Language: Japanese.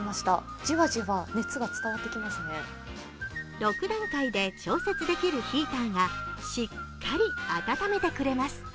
６段階で調節できるヒーターがしっかり温めてくれます。